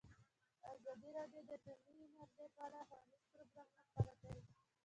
ازادي راډیو د اټومي انرژي په اړه ښوونیز پروګرامونه خپاره کړي.